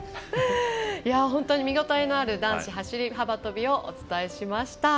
本当に見応えのある男子走り幅跳びをお伝えしました。